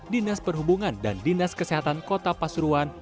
dinas perhubungan dan dinas kesehatan kota pasuruan